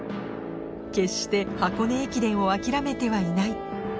決して箱根駅伝を諦めてはいない